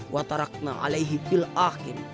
watarakna alaihi bil ahim